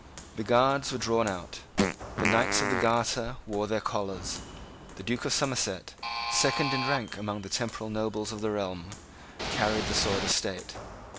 The Guards were drawn out. The Knights of the Garter wore their collars. The Duke of Somerset, second in rank among the temporal nobles of the realm, carried the sword of state.